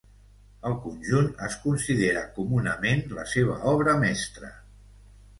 El conjunt es considera comunament la seva obra mestra.